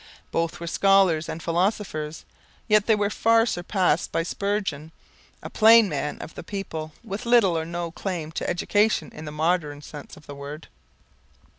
Both were scholars and philosophers, yet they were far surpassed by Spurgeon, a plain man of the people with little or no claim to education in the modern sense of the word.